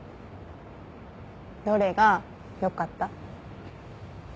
どれがよかった？